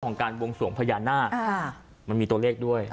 ของการวงสวงพญานาคมันมีตัวเลขด้วย